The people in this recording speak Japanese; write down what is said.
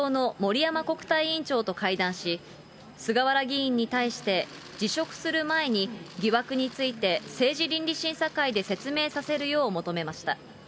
立憲民主党の安住国対委員長は、自民党の森山国対委員長と会談し、菅原議員に対して辞職する前に、疑惑について、政治倫理審査会で説明させるよう求めました。